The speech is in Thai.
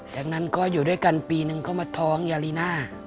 จากนั้นก็อยู่ด้วยกันปีนึงก็มาท้องยาลีน่า